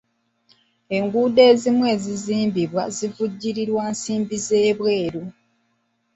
Enguudo ezimu ezizimbibwa zivujjirirwa nsi z'ebweru.